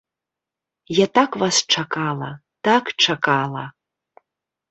Я так вас чакала, так чакала.